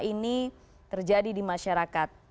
ini terjadi di masyarakat